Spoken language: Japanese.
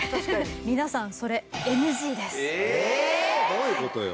どういう事よ？